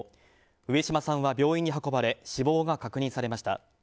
上島さんは病院に運ばれ死亡が確認されました。